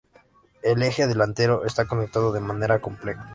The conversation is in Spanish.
El eje delantero está conectado de manera compleja.